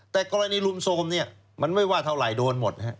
แต่กรณีลุมโทรมเนี่ยมันไม่ว่าเท่าไหร่โดนหมดฮะ